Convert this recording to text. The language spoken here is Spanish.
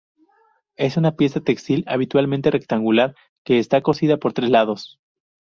Es una pieza textil habitualmente rectangular que está cosida por tres lados.